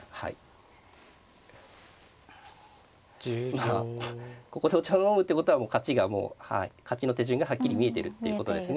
まあここでお茶を飲むっていうことは勝ちがもうはい勝ちの手順がはっきり見えてるっていうことですね。